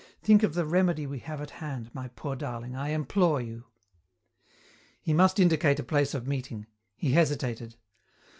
Think of the remedy we have at hand, my poor darling, I implore you." He must indicate a place of meeting. He hesitated.